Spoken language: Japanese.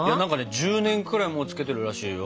１０年くらいもうつけてるらしいよ。